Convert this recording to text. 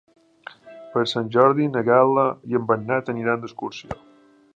Per Sant Jordi na Gal·la i en Bernat aniran d'excursió.